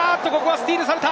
スティールされた！